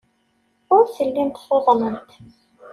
Ur tellimt tuḍnemt.